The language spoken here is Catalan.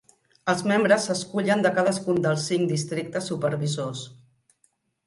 Els membres s'escullen de cadascun dels cinc districtes supervisors.